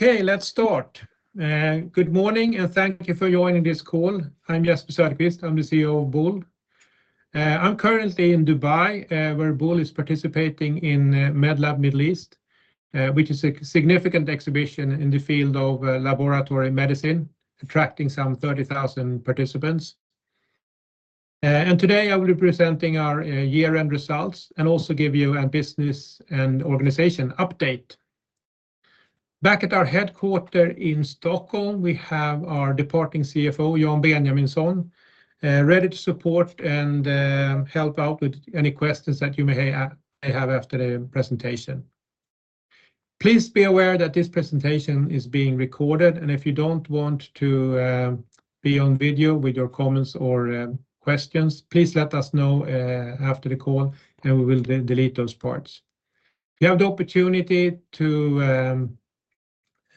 Okay, let's start. Good morning, and thank you for joining this call. I'm Jesper Söderqvist. I'm the CEO of Boule. I'm currently in Dubai, where Boule is participating in Medlab Middle East, which is a significant exhibition in the field of laboratory medicine, attracting some 30,000 participants. Today, I will be presenting our year-end results and also give you a business and organization update. Back at our headquarters in Stockholm, we have our departing CFO, Jan Benjaminson, ready to support and help out with any questions that you may have after the presentation. Please be aware that this presentation is being recorded, and if you don't want to be on video with your comments or questions, please let us know after the call, and we will delete those parts.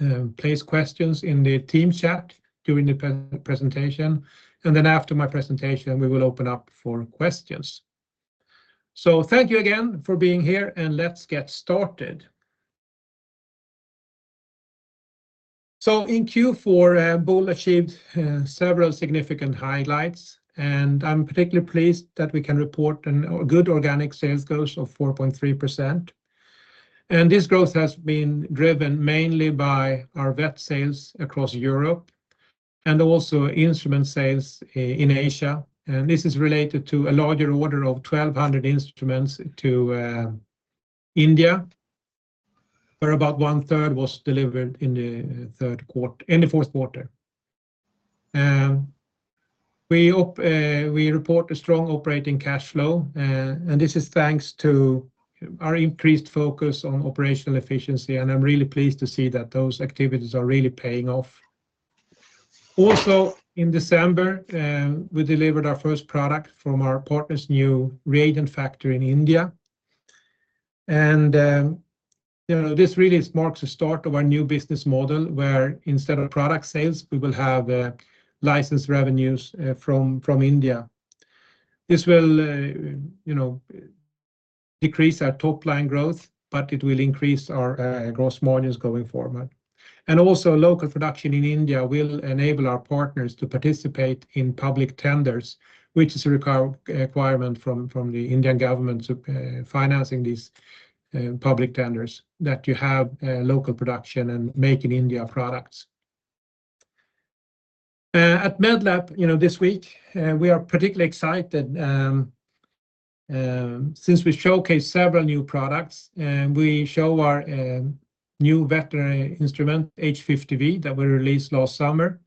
You have the opportunity to place questions in the team chat during the pre-presentation, and then after my presentation, we will open up for questions. Thank you again for being here, and let's get started. In Q4, Boule achieved several significant highlights, and I'm particularly pleased that we can report a good organic sales growth of 4.3%. This growth has been driven mainly by our vet sales across Europe and also instrument sales in Asia, and this is related to a larger order of 1,200 instruments to India, where about 1/3 was delivered in the fourth quarter. We report a strong operating cash flow, and this is thanks to our increased focus on operational efficiency, and I'm really pleased to see that those activities are really paying off. Also, in December, we delivered our first product from our partner's new reagent factory in India, and, you know, this really marks the start of our new business model, where instead of product sales, we will have, license revenues, from India. This will, you know, decrease our top-line growth, but it will increase our, gross margins going forward. And also, local production in India will enable our partners to participate in public tenders, which is a requirement from the Indian government to financing these public tenders, that you have local production and Make in India products. At Medlab, you know, this week, we are particularly excited, since we showcase several new products, and we show our new veterinary instrument, H50, that we released last summer.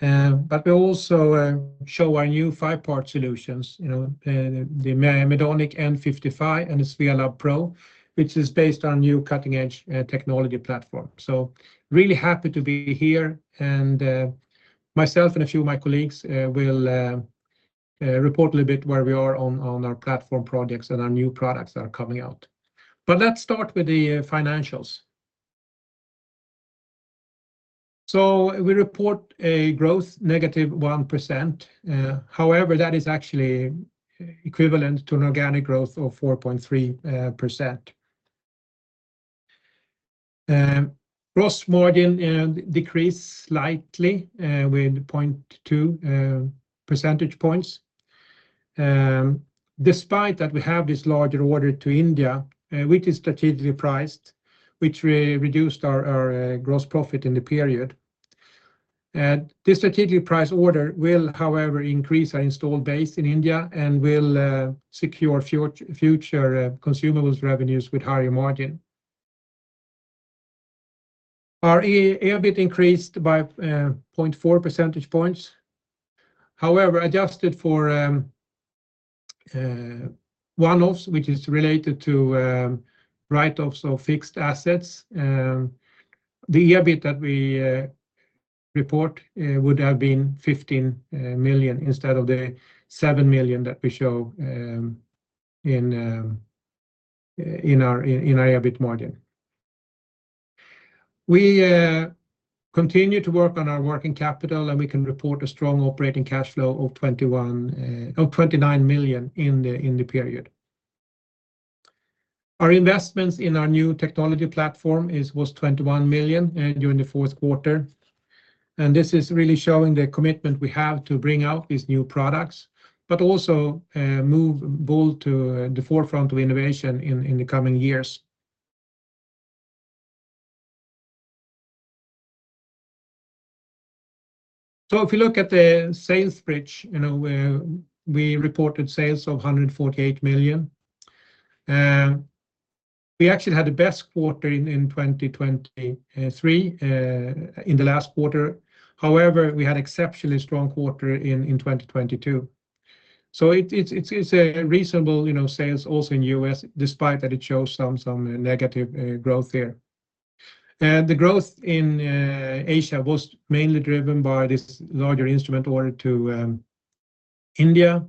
But we also show our new five-part solutions, you know, the Medonic M55, and the Swelab Lumi, which is based on new cutting-edge technology platform. So really happy to be here, and myself and a few of my colleagues will report a little bit where we are on our platform projects and our new products that are coming out. But let's start with the financials. So we report a growth negative 1%. However, that is actually equivalent to an organic growth of 4.3%. Gross margin decreased slightly with 0.2 percentage points. Despite that, we have this larger order to India, which is strategically priced, which reduced our gross profit in the period. This strategically priced order will, however, increase our installed base in India and will secure future consumables revenues with higher margin. Our EBIT increased by 0.4 percentage points. However, adjusted for one-offs, which is related to write-offs of fixed assets, the EBIT that we report would have been 15 million, instead of the 7 million that we show in our EBIT margin. We continue to work on our working capital, and we can report a strong operating cash flow of 21 of 29 million in the period. Our investments in our new technology platform is, was 21 million during the fourth quarter, and this is really showing the commitment we have to bring out these new products, but also move Boule to the forefront of innovation in the coming years. So if you look at the sales bridge, you know, where we reported sales of 148 million, we actually had the best quarter in 2023 in the last quarter. However, we had exceptionally strong quarter in 2022. So it is a reasonable, you know, sales also in U.S., despite that it shows some negative growth here. The growth in Asia was mainly driven by this larger instrument order to India,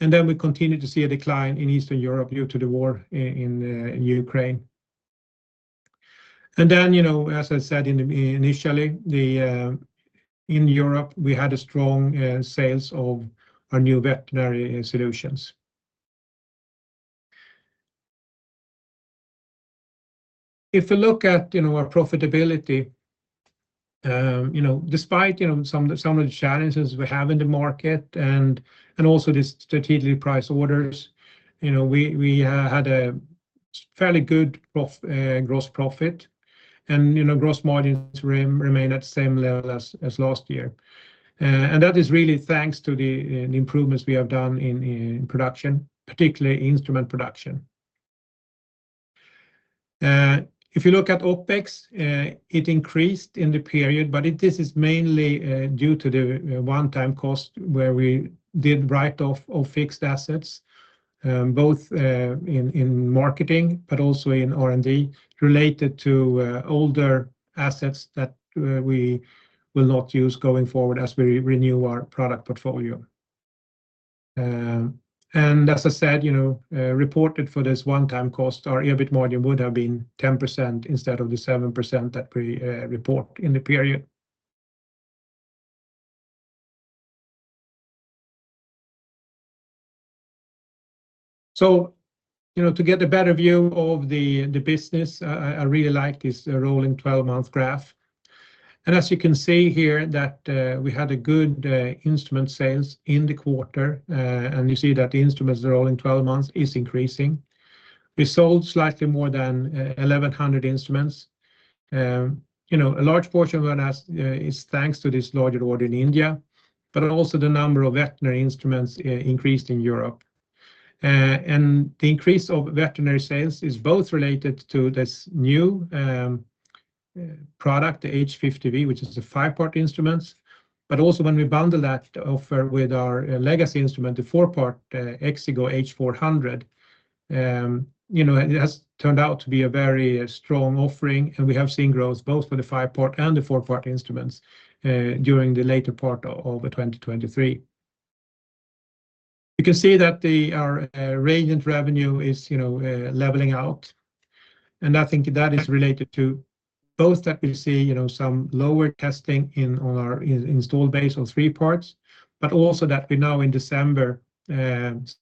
and then we continued to see a decline in Eastern Europe due to the war in Ukraine. Then, you know, as I said initially, in Europe, we had a strong sales of our new veterinary solutions. If you look at, you know, our profitability, you know, despite some of the challenges we have in the market and also the strategic price orders, you know, we had a fairly good gross profit. You know, gross margins remain at the same level as last year. And that is really thanks to the improvements we have done in production, particularly instrument production. If you look at OpEx, it increased in the period, but this is mainly due to the one-time cost where we did write off all fixed assets, both in marketing but also in R&D, related to older assets that we will not use going forward as we renew our product portfolio. And as I said, you know, reported for this one-time cost, our EBIT margin would have been 10% instead of the 7% that we report in the period. So, you know, to get a better view of the business, I really like this rolling 12-month graph. And as you can see here, that we had a good instrument sales in the quarter, and you see that the instruments rolling 12 months is increasing. We sold slightly more than 1,100 instruments. You know, a large portion of that is thanks to this larger order in India, but also the number of veterinary instruments increased in Europe. The increase of veterinary sales is both related to this new product, the H50 V, which is the five-part instruments, but also when we bundle that offer with our legacy instrument, the four-part, Exigo H400, you know, it has turned out to be a very strong offering, and we have seen growth both for the five-part and the four-part instruments during the later part of 2023. You can see that our reagent revenue is, you know, leveling out, and I think that is related to both that we see, you know, some lower testing in on our installed base on three parts, but also that we now in December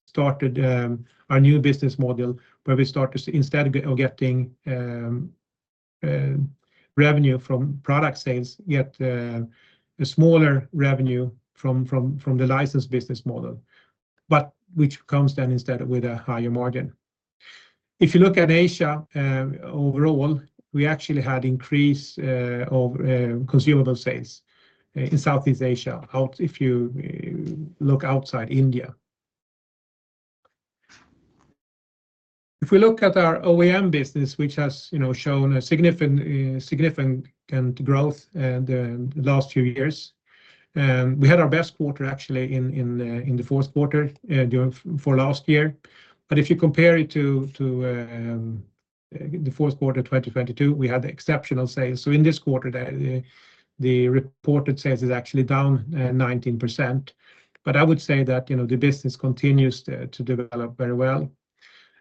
started our new business model, where we start to instead of getting revenue from product sales, get a smaller revenue from the license business model, but which comes then instead with a higher margin. If you look at Asia overall, we actually had increase of consumable sales in Southeast Asia, out-- if you look outside India. If we look at our OEM business, which has, you know, shown a significant, significant growth in the last few years, we had our best quarter actually in the fourth quarter during for last year. But if you compare it to the fourth quarter of 2022, we had exceptional sales. So in this quarter, the reported sales is actually down 19%. But I would say that, you know, the business continues to develop very well.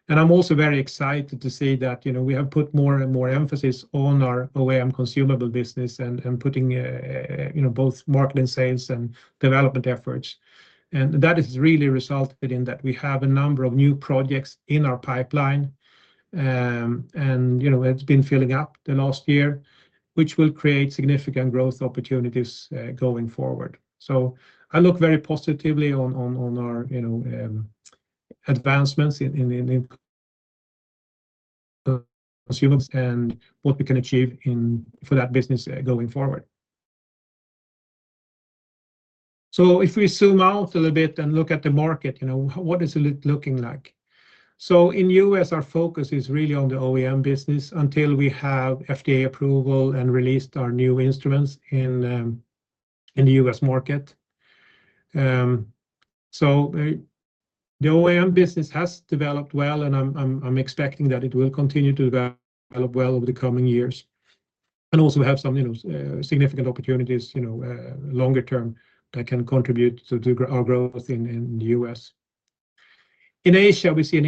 And I'm also very excited to see that, you know, we have put more and more emphasis on our OEM consumable business and putting, you know, both marketing, sales, and development efforts. That has really resulted in that we have a number of new projects in our pipeline, and, you know, it's been filling up the last year, which will create significant growth opportunities, going forward. So I look very positively on our, you know, advancements in consumers and what we can achieve in for that business, going forward. So if we zoom out a little bit and look at the market, you know, what is it looking like? So in the U.S., our focus is really on the OEM business until we have FDA approval and released our new instruments in the U.S. market. So the OEM business has developed well, and I'm expecting that it will continue to develop well over the coming years and also have some, you know, significant opportunities, you know, longer term that can contribute to our growth in the U.S. In Asia, we see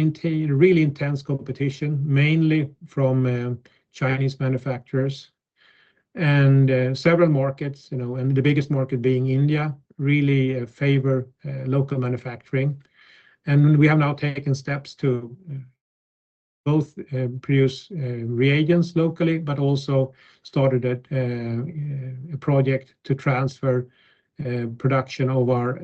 really intense competition, mainly from Chinese manufacturers and several markets, you know, and the biggest market being India, really favor local manufacturing. And we have now taken steps to both produce reagents locally, but also started a project to transfer production of our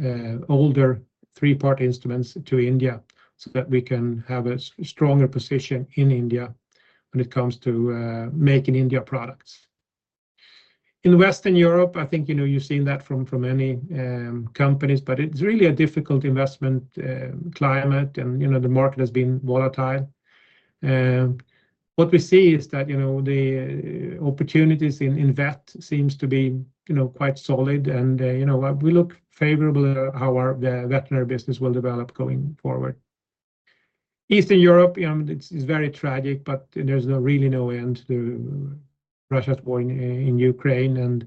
older three-part instruments to India so that we can have a stronger position in India when it comes to making India products. In Western Europe, I think, you know, you've seen that from, from many companies, but it's really a difficult investment climate, and, you know, the market has been volatile. What we see is that, you know, the opportunities in, in vet seems to be, you know, quite solid and, you know, we look favorable at how our, the veterinary business will develop going forward. Eastern Europe, it's, it's very tragic, but there's no, really no end to Russia's war in, in Ukraine, and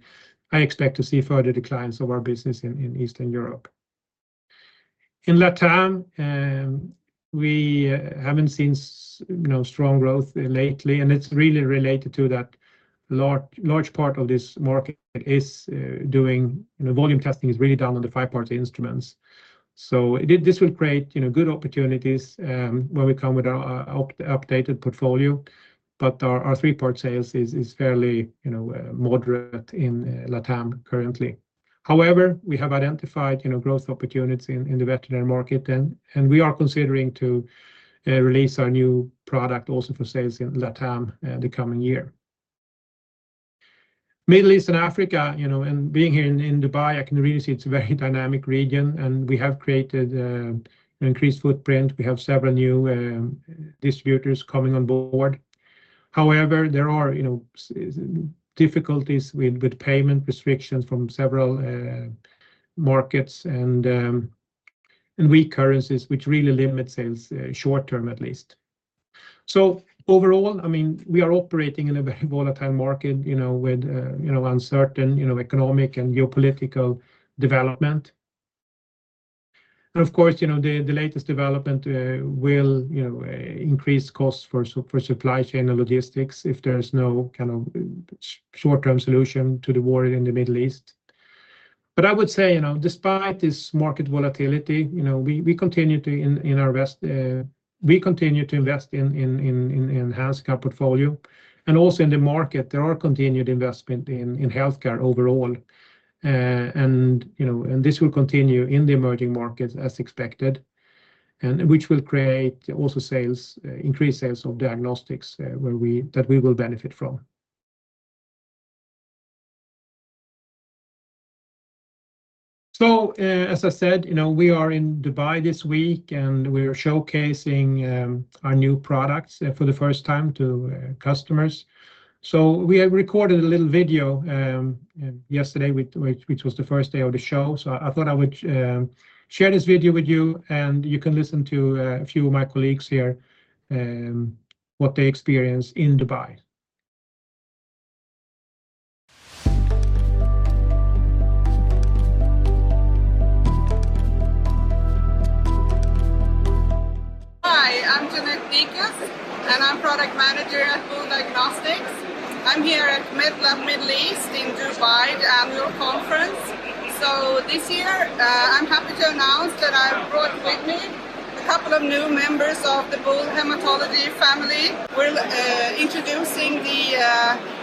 I expect to see further declines of our business in, in Eastern Europe. In LATAM, we haven't seen, you know, strong growth lately, and it's really related to that large, large part of this market is doing, you know, volume testing is really done on the five-part instruments. So it did, this will create, you know, good opportunities, when we come with our updated portfolio, but our, our three-part sales is, is fairly, you know, moderate in LATAM currently. However, we have identified, you know, growth opportunities in, in the veterinary market, and, and we are considering to, release our new product also for sales in LATAM, the coming year. Middle East and Africa, you know, and being here in, in Dubai, I can really see it's a very dynamic region, and we have created, an increased footprint. We have several new, distributors coming on board. However, there are, you know, difficulties with, with payment restrictions from several, markets and, and weak currencies, which really limit sales, short-term at least. So overall, I mean, we are operating in a very volatile market, you know, with you know, uncertain you know, economic and geopolitical development. And of course, you know, the latest development will you know, increase costs for supply chain and logistics if there's no kind of short-term solution to the war in the Middle East. But I would say, you know, despite this market volatility, you know, we continue to invest in healthcare portfolio, and also in the market, there are continued investment in healthcare overall. And you know, this will continue in the emerging markets as expected, and which will create also increased sales of diagnostics, where we will benefit from. So, as I said, you know, we are in Dubai this week, and we are showcasing our new products for the first time to customers. So we have recorded a little video yesterday, which was the first day of the show. So I thought I would share this video with you, and you can listen to a few of my colleagues here what they experience in Dubai. Hi, I'm Jeanette Nikus, and I'm Product Manager at Boule Diagnostics. I'm here at MedLab Middle East in Dubai, the annual conference. This year, I'm happy to announce that I've brought with me a couple of new members of the Boule Hematology family. We're introducing the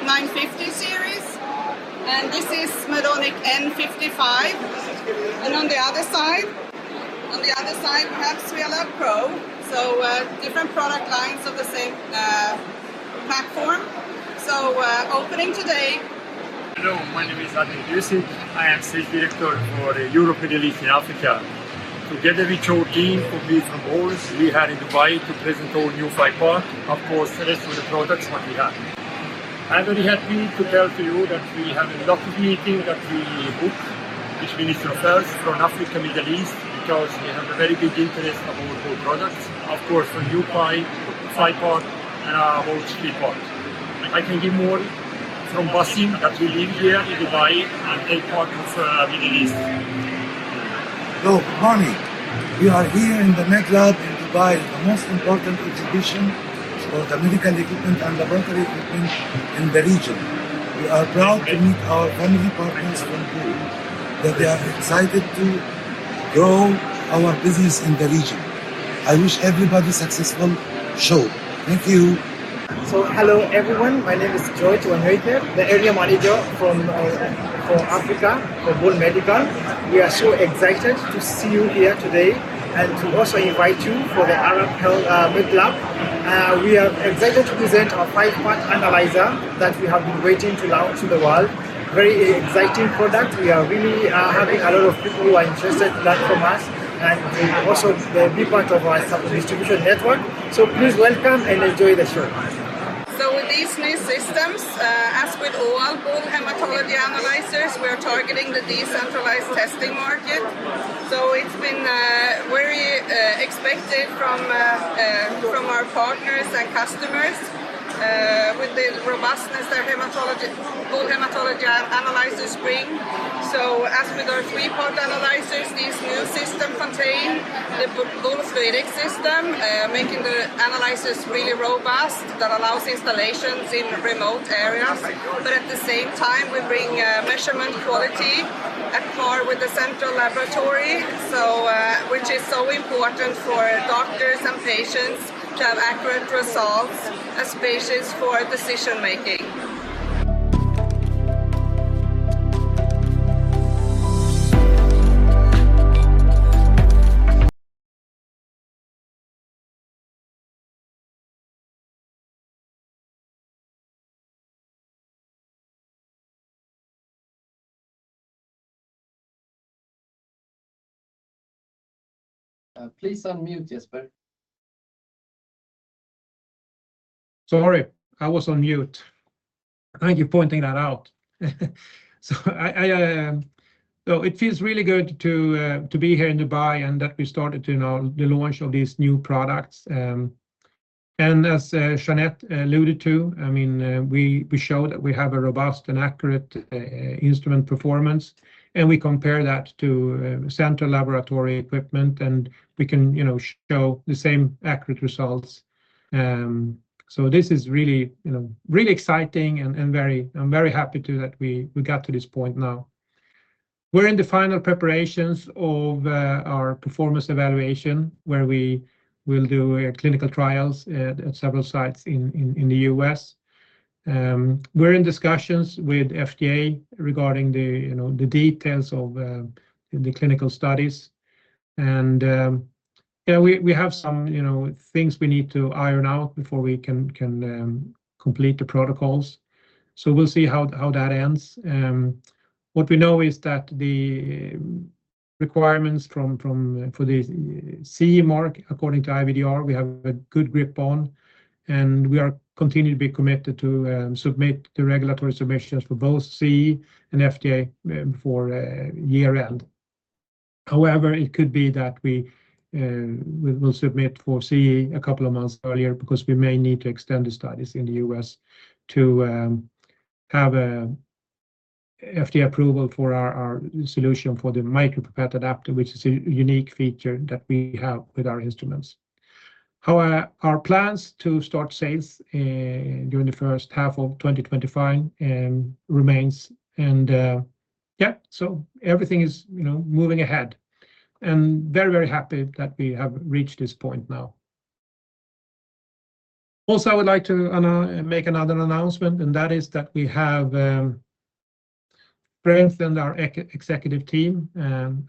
950 series, and this is Medonic M55. And on the other side, on the other side, HemoCue Pro, so different product lines of the same platform, so opening today. Hello, my name is Admir Gusic. I am Sales Director for Europe, Middle East, and Africa. Together with your team from Boule, we are in Dubai to present our new five part, of course, the rest of the products what we have. I'm very happy to tell to you that we have a lot of meeting that we booked, which means your sales from Africa, Middle East, because we have a very big interest about Boule products. Of course, the new five, five part, and our three part. I thank you more from Wassim that we meet here in Dubai, and take part with Middle East. Hello, Hani. We are here in the MedLab in Dubai, the most important exhibition for the medical equipment and laboratory equipment in the region. We are proud to meet our family partners from Boule, that they are excited to grow our business in the region. I wish everybody successful show. Thank you. Hello, everyone. My name is George Wanyoike the Area Manager for Africa for Boule. We are so excited to see you here today and to also invite you for the Arab Health, MedLab. We are excited to present our five-part analyzer that we have been waiting to launch to the world. Very exciting product. We are really having a lot of people who are interested in that from us, and also to be part of our distribution network. So please welcome and enjoy the show. So with these new systems, as with all Boule hematology analyzers, we are targeting the decentralized testing market. So it's been very expected from our partners and customers with the robustness that hematology, Boule hematology analyzers bring. So as with our three-part analyzers, these new systems contain the Boule SWEDAC system, making the analyzers really robust, that allows installations in remote areas. But at the same time, we bring measurement quality at par with the central laboratory, which is so important for doctors and patients to have accurate results, especially for decision-making. Please unmute, Jesper. Sorry, I was on mute. Thank you for pointing that out. So it feels really good to be here in Dubai and that we started to know the launch of these new products. And as Jeanette alluded to, I mean, we show that we have a robust and accurate instrument performance, and we compare that to central laboratory equipment, and we can, you know, show the same accurate results. So this is really, you know, really exciting and I'm very happy too that we got to this point now. We're in the final preparations of our performance evaluation, where we will do clinical trials at several sites in the US. We're in discussions with FDA regarding the, you know, the details of the clinical studies. We have some, you know, things we need to iron out before we can complete the protocols. We'll see how that ends. What we know is that the requirements for the CE mark, according to IVDR, we have a good grip on, and we are continuing to be committed to submit the regulatory submissions for both CE and FDA for year-end. However, it could be that we will submit for CE a couple of months earlier because we may need to extend the studies in the U.S. to have a FDA approval for our solution for the micro pipette adapter, which is a unique feature that we have with our instruments. However, our plans to start sales during the first half of 2025 remains, and yeah, so everything is, you know, moving ahead. Very, very happy that we have reached this point now. Also, I would like to make another announcement, and that is that we have strengthened our executive team,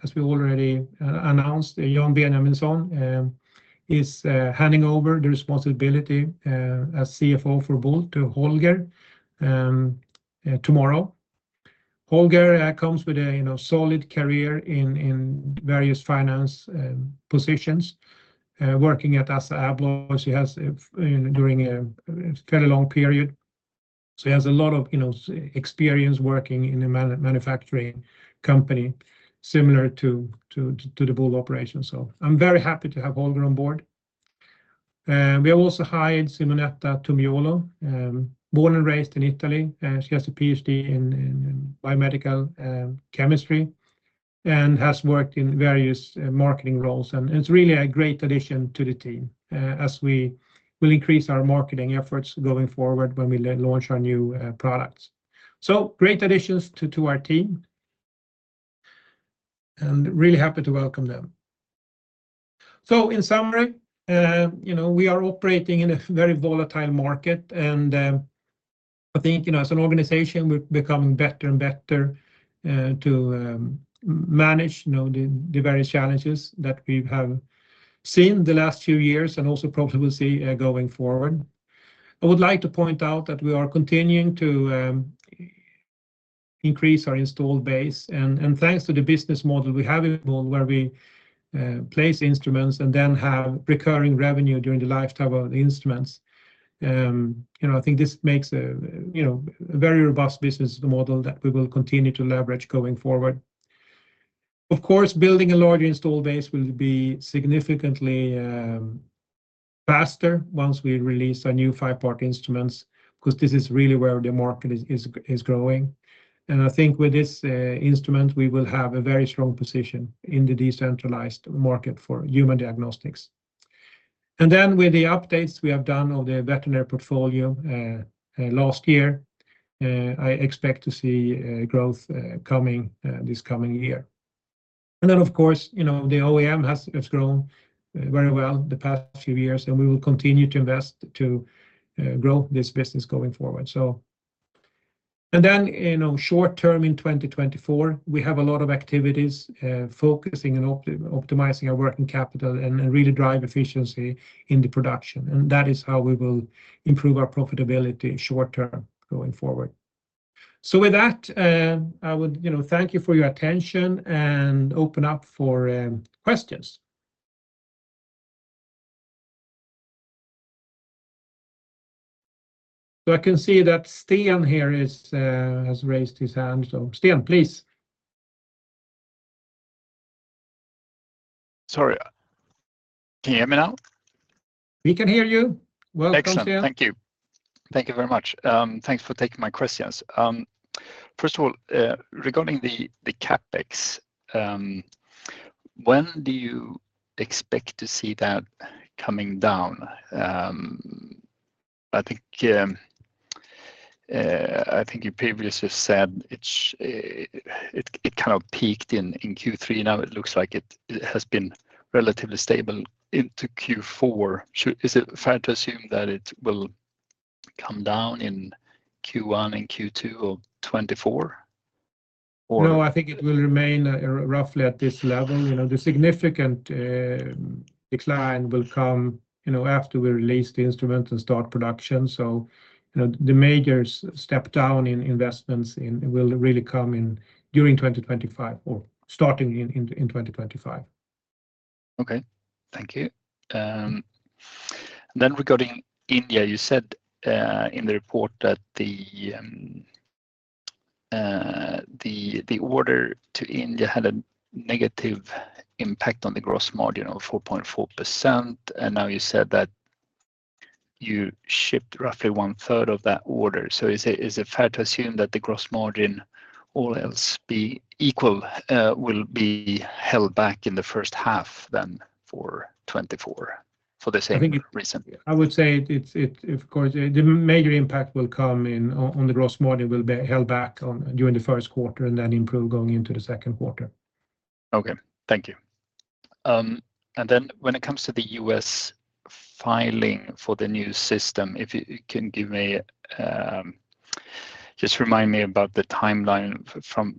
as we already announced, Jan Benjaminson is handing over the responsibility as CFO for Boule to Holger tomorrow. Holger comes with a, you know, solid career in various finance positions working at ASSA ABLOY. He has during a fairly long period, so he has a lot of, you know, experience working in a manufacturing company similar to the Boule operation. So I'm very happy to have Holger on board. We have also hired Simonetta Tumbiolo. Born and raised in Italy, she has a Ph.D. in biomedical chemistry and has worked in various marketing roles, and it's really a great addition to the team as we will increase our marketing efforts going forward when we launch our new products. So great additions to our team, and really happy to welcome them. So in summary, you know, we are operating in a very volatile market, and I think, you know, as an organization, we're becoming better and better to manage, you know, the various challenges that we have seen the last few years and also probably will see going forward. I would like to point out that we are continuing to increase our installed base, and thanks to the business model we have in Boule, where we place instruments and then have recurring revenue during the lifetime of the instruments. You know, I think this makes a very robust business model that we will continue to leverage going forward. Of course, building a larger installed base will be significantly faster once we release our new five-part instruments, because this is really where the market is growing. And I think with this instrument, we will have a very strong position in the decentralized market for human diagnostics. And then with the updates we have done on the veterinary portfolio last year, I expect to see growth coming this coming year. Then, of course, you know, the OEM has grown very well the past few years, and we will continue to invest to grow this business going forward. So and then, you know, short term, in 2024, we have a lot of activities focusing and optimizing our working capital and really drive efficiency in the production, and that is how we will improve our profitability short term, going forward. So with that, I would, you know, thank you for your attention and open up for questions. So I can see that Sten here has raised his hand. So Sten, please. Sorry. Can you hear me now? We can hear you. Welcome, Sten. Excellent. Thank you. Thank you very much. Thanks for taking my questions. First of all, regarding the CapEx, when do you expect to see that coming down? I think you previously said it kind of peaked in Q3. Now, it looks like it has been relatively stable into Q4. Is it fair to assume that it will come down in Q1 and Q2 of 2024, or? No, I think it will remain roughly at this level. You know, the significant decline will come, you know, after we release the instrument and start production. So, you know, the major step down in investments will really come in during 2025 or starting in 2025. Okay. Thank you. Then regarding India, you said in the report that the order to India had a negative impact on the gross margin of 4.4%, and now you said that you shipped roughly one third of that order. So is it fair to assume that the gross margin, all else being equal, will be held back in the first half, then, for 2024?... for the same reason? I would say it's of course the major impact will come in on the gross margin will be held back on during the first quarter and then improve going into the second quarter. Okay. Thank you. And then when it comes to the U.S. filing for the new system, if you can give me, just remind me about the timeline from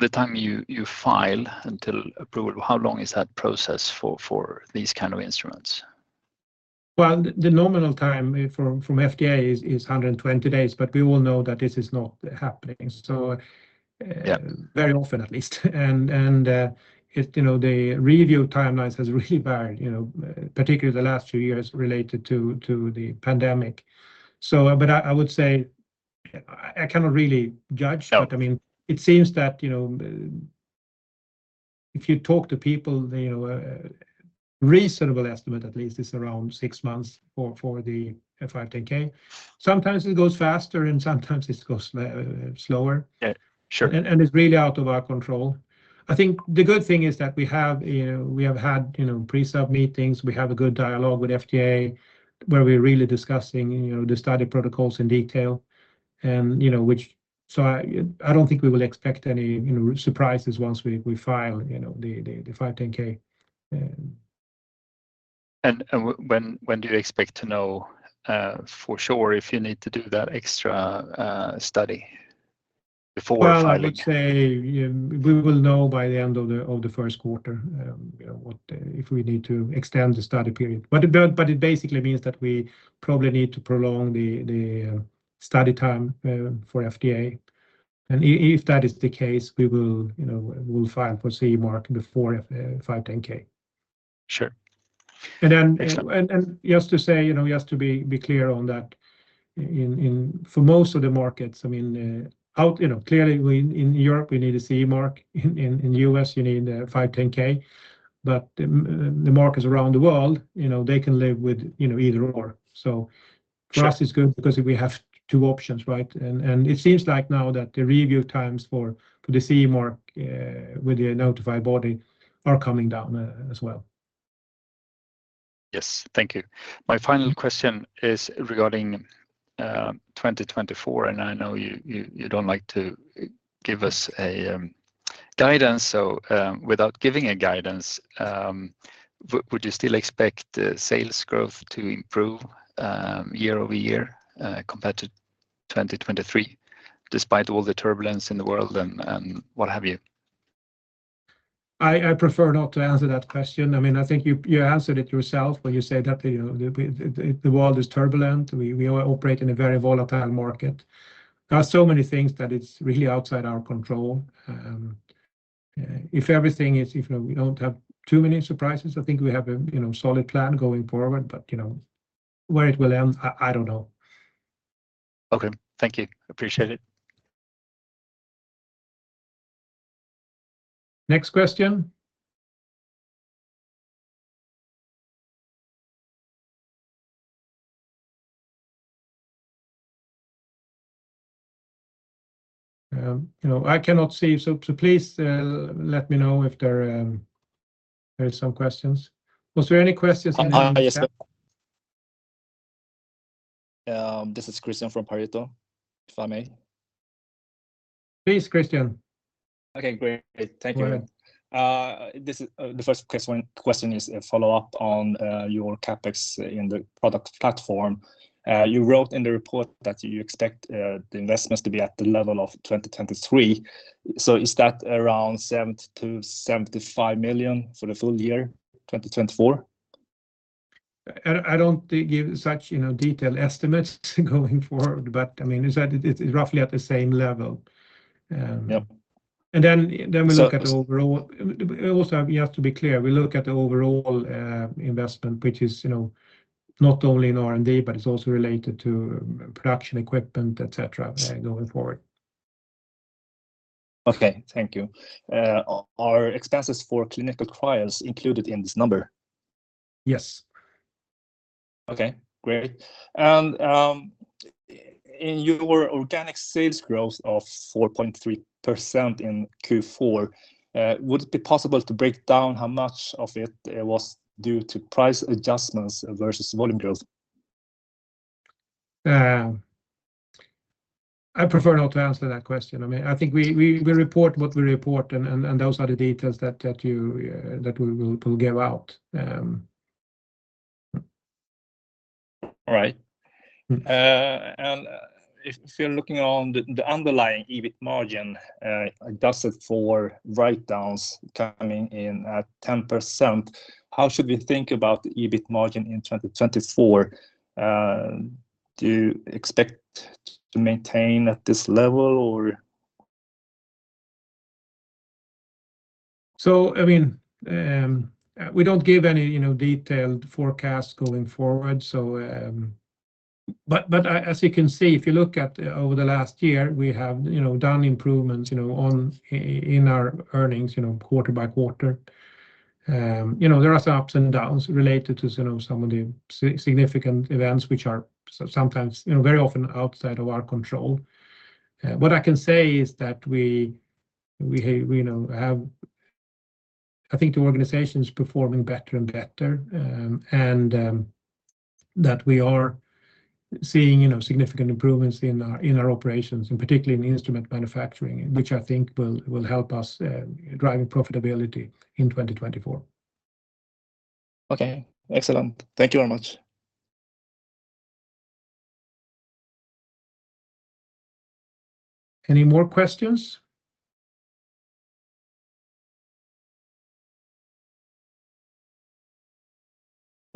the time you file until approval, how long is that process for these kind of instruments? Well, the nominal time from FDA is 120 days, but we all know that this is not happening. So- Yeah... very often, at least. And it, you know, the review timelines has really varied, you know, particularly the last few years related to the pandemic. So but I would say I cannot really judge. Sure. But, I mean, it seems that, you know, if you talk to people, you know, a reasonable estimate, at least, is around six months for the 510(k). Sometimes it goes faster, and sometimes it goes slower. Yeah, sure. It's really out of our control. I think the good thing is that we have, you know, we have had, you know, pre-sub meetings. We have a good dialogue with FDA, where we're really discussing, you know, the study protocols in detail. You know, so I don't think we will expect any, you know, surprises once we file, you know, the 510(k). And when do you expect to know for sure if you need to do that extra study before filing? Well, let's say, we will know by the end of the first quarter, you know, what if we need to extend the study period. But it basically means that we probably need to prolong the study time for FDA. And if that is the case, we will, you know, we'll file for CE mark before 510(k). Sure. And then- Excellent. Just to say, you know, just to be clear on that, for most of the markets, I mean, you know, clearly in Europe, you need a CE mark. In U.S., you need a 510(k). But the markets around the world, you know, they can live with, you know, either or. So- Sure... for us, it's good because we have two options, right? And it seems like now that the review times for the CE mark with the notified body are coming down, as well. Yes. Thank you. My final question is regarding 2024, and I know you don't like to give us a guidance. So, without giving a guidance, would you still expect the sales growth to improve year-over-year compared to 2023, despite all the turbulence in the world and what have you? I prefer not to answer that question. I mean, I think you answered it yourself when you said that, you know, the world is turbulent. We operate in a very volatile market. There are so many things that it's really outside our control. If we don't have too many surprises, I think we have a, you know, solid plan going forward, but you know, where it will end, I don't know. Okay. Thank you. Appreciate it. Next question? You know, I cannot see, so, so please let me know if there, there are some questions. Was there any questions in the- Yes. This is Christian from Pareto, if I may. Please, Christian. Okay, great. Thank you. Go ahead. This, the first question is a follow-up on your CapEx in the product platform. You wrote in the report that you expect the investments to be at the level of 2023. So is that around 70-75 million for the full year 2024? I don't give such, you know, detailed estimates going forward, but I mean, is that it's roughly at the same level. Yep. And then we look at the overall- So- Also, you have to be clear, we look at the overall investment, which is, you know, not only in R&D, but it's also related to production, equipment, et cetera- Yes... going forward. Okay. Thank you. Are expenses for clinical trials included in this number? Yes. Okay, great. And, in your organic sales growth of 4.3% in Q4, would it be possible to break down how much of it, it was due to price adjustments versus volume growth? I prefer not to answer that question. I mean, I think we report what we report, and those are the details that you that we will give out. All right. Mm-hmm. And if we're looking on the underlying EBIT margin, adjusted for write-downs coming in at 10%, how should we think about the EBIT margin in 2024? Do you expect to maintain at this level or...? So I mean, we don't give any, you know, detailed forecast going forward. So... But as you can see, if you look at over the last year, we have, you know, done improvements, you know, on, in our earnings, you know, quarter by quarter. You know, there are some ups and downs related to, you know, some of the significant events, which are sometimes, you know, very often outside of our control. What I can say is that we, you know, have—I think the organization is performing better and better, and that we are seeing, you know, significant improvements in our, in our operations, and particularly in instrument manufacturing, which I think will help us driving profitability in 2024. Okay, excellent. Thank you very much. Any more questions?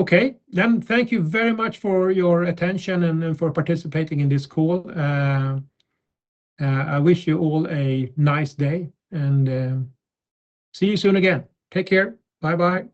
Okay, then thank you very much for your attention and, and for participating in this call. I wish you all a nice day, and, see you soon again. Take care. Bye-bye.